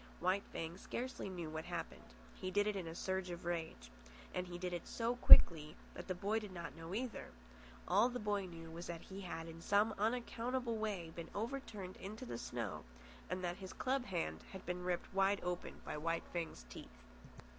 White Fang scarcely knew what happened. He did it in a surge of rage. And he did it so quickly that the boy did not know either. All the boy knew was that he had in some unaccountable way been overturned into the snow, and that his club hand had been ripped wide open by White Fang's teeth.